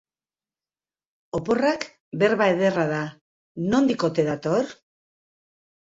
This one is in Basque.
"Oporrak" berba ederra da, nondik ote dator?